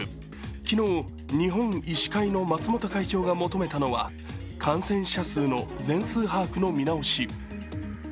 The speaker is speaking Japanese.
昨日、日本医師会の松本会長が求めたのは感染者数の全数把握の見直し。